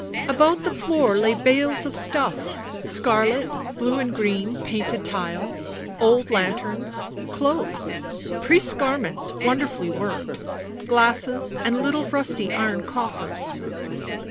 About the floor lay bales of stuff, scarlet, blue and green, painted tiles, old lanterns, clothes, priests' garments, wonderfully worked, glasses and little rusty iron coffers.